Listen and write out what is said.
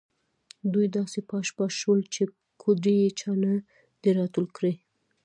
دوی داسې پاش پاش شول چې کودړي یې چا نه دي راټول کړي.